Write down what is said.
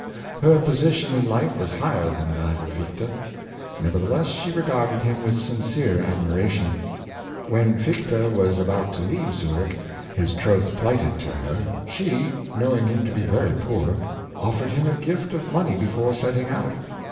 Her position in life was higher than that of Fichte ; nevertheless she re garded him with sincere admiration. When Fichte was about to leave Zurich, his troth plighted to her, she, knowing him to be very poor, offered him a gift of money before setting out.